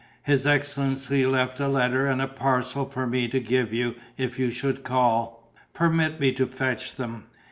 His excellency left a letter and a parcel for me to give you if you should call. Permit me to fetch them."